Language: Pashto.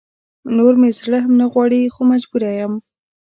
نور مې زړه هم نه غواړي خو مجبوره يم